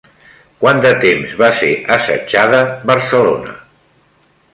Quant de temps va ser assetjada Barcelona?